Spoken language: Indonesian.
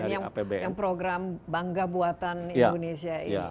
yang program bangga buatan indonesia ini